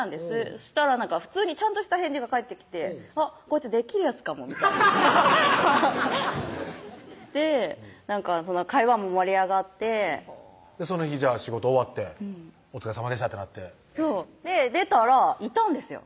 そしたら普通にちゃんとした返事が返ってきてあっこいつできるヤツかもで会話も盛り上がってその日仕事終わって「お疲れさまでした」ってなってそう出たらいたんですよ